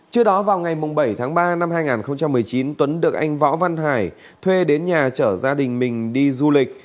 trước đó vào ngày bảy tháng ba năm hai nghìn một mươi chín tuấn được anh võ văn hải thuê đến nhà chở gia đình mình đi du lịch